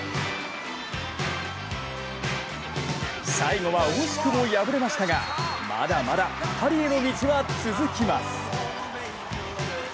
最後は惜しくも敗れましたがまだまだパリへの道は続きます。